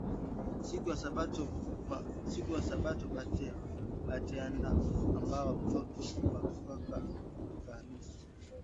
Siku ya sabato bataenda ombea mtoto wa kaka kukanisa